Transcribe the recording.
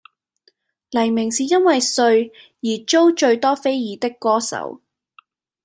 黎明是因為“帥”而遭最多非議的歌手